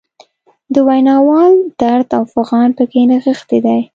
د ویناوال درد او فعان پکې نغښتی دی.